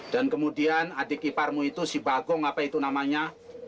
dan kemudian adik kiparmu itu si bagong apa itu namanya